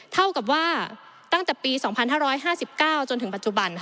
เท่ากับว่าตั้งแต่ปี๒๕๕๙จนถึงปัจจุบัน